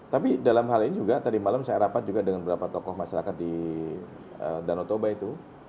tapi dalam hal ini juga tadi malam saya rapat juga dengan beberapa tokoh masyarakat di danau toba itu